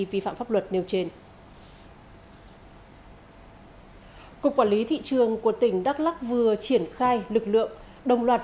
vi phạm pháp luật nêu trên cục quản lý thị trường của tỉnh đắk lắc vừa triển khai lực lượng đồng loạt